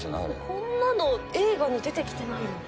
こんなの映画に出てきてない。